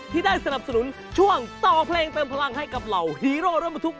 ที่ได้สนับสนุนช่วงต่อเพลงเติมพลังให้กับเหล่าฮีโร่รถบรรทุก